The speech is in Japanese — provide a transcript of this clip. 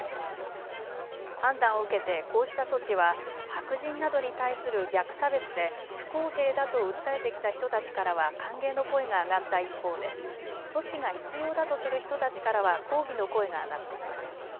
判断を受けてこうした措置は白人などに対する逆差別で不公平だと訴えてきた人たちからは歓迎の声が上がった一方で措置が必要だとする人たちからは抗議の声が上がっています。